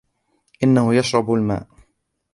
إنه يشرب الماء.